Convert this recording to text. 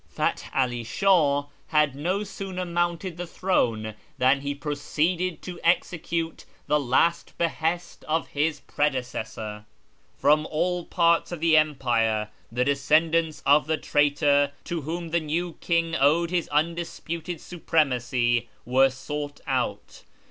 Fath 'All Shah had no sooner mounted the throne than he proceeded to execute the last behest of his predecessor. From all parts of the empire the descendants of the traitor to whom the new king owed his undisputed sujDremacy were sought out.